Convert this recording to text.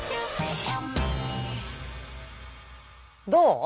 どう？